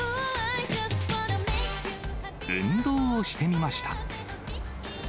運動をしてみました。